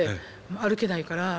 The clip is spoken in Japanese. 歩けないから。